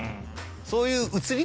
そういう。